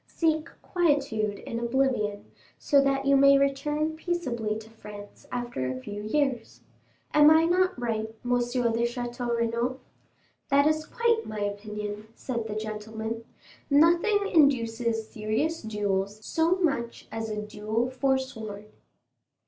Seek quietude and oblivion, so that you may return peaceably to France after a few years. Am I not right, M. de Château Renaud?" 40252m "That is quite my opinion," said the gentleman; "nothing induces serious duels so much as a duel forsworn."